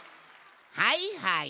はいはい。